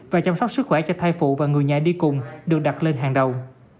và chăm sóc sức khỏe cho thai phụ và người nhà đi cùng được đặt lên hàng đầu